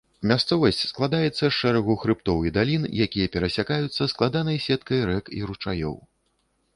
Мясцовасць складаецца з шэрагу хрыбтоў і далін, якія перасякаюцца складанай сеткай рэк і ручаёў.